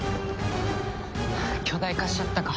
巨大化しちゃったか。